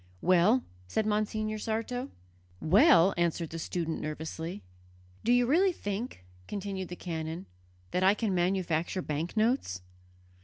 "Well?" said Monsignor Sarto. "Well?" answered the student nervously. "Do you really think," continued the canon, "that I can manufacture banknotes?"